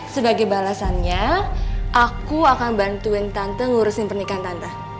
sebagai balasannya aku akan bantuin tante ngurusin pernikahan tante